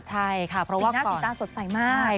สีหน้าสีตาสดใสมาก